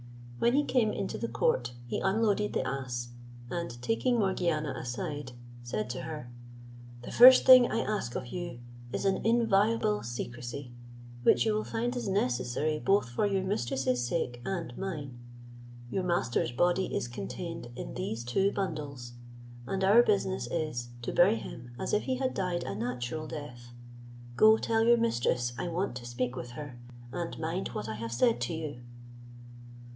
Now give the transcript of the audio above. When he came into the court, he unloaded the ass, and taking Morgiana aside, said to her, "The first thing I ask of you is an inviolable secrecy, which you will find is necessary both for your mistress's sake and mine. Your master's body is contained in these two bundles, and our business is, to bury him as if he had died a natural death. Go, tell your mistress I want to speak with her; and mind what I have said to you."